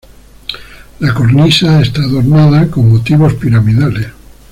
La cornisa está adornada con motivos piramidales.